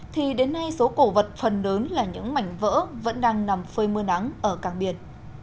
thì đến nay số cổ vật phần lớn là những mảnh vỡ vẫn đang nằm phơi mưa nắng ở cảng biển